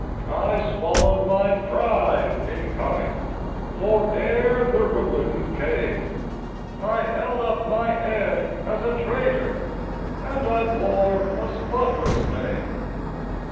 I swallowed my pride in coming. For, ere the ruin came, I held up my hea<l as a trader, And 1 bore a spotless name.